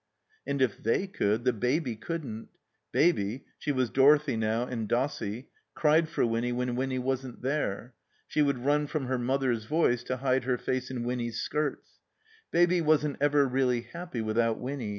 And if they could, the Baby couldn't. Baby (she was Dorothy now and Dossie) cried for Winny when Winny wasn't there. She would run from her mother's voice to hide her face in Winny's skirts. Baby wasn't ever really happy without Winny.